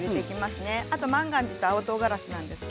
あと満願寺のとうがらしです。